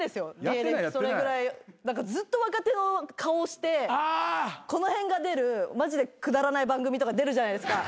ずっと若手の顔をしてこの辺が出るマジでくだらない番組とか出るじゃないですか。